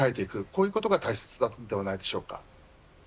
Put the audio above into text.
そういうことが大切なのではないでしょうか。